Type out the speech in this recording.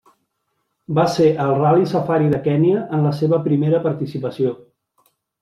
Va ser el Ral·li Safari de Kenya en la seva primera participació.